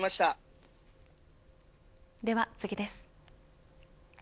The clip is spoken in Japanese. では次です。